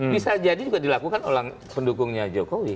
bisa jadi juga dilakukan oleh pendukungnya jokowi